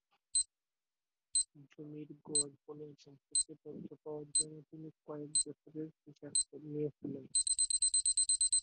জমির গড় ফলন সম্পর্কে তথ্য পাওয়ার জন্য তিনি কয়েক বছরের হিসাব নিয়েছিলেন।